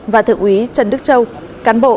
và thượng úy trần đức châu cán bộ